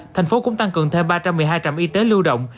thành phố cũng tăng cường thêm ba trăm một mươi hai trạm y tế lưu động